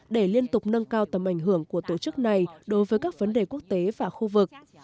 để liên tục nâng cao tầm ảnh hưởng của tổ chức này đối với các vấn đề quốc tế và khu vực